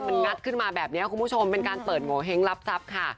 มันงัดขึ้นมาแบบนี้คุณผู้ชมเป็นการเปิดโงเห้งรับทรัพย์ค่ะ